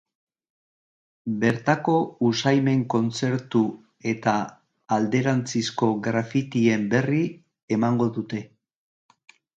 Bertako usaimen kontzertu eta alderantzizko grafittien berri emango dute.